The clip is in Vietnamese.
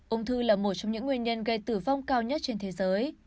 ung thư là một trong những nguyên nhân gây tử vong cao nhất trên thế giới